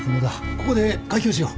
ここで開胸しよう。